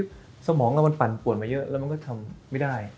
คือสมองเรามันปั่นป่วนมาเยอะแล้วมันก็ทำไม่ได้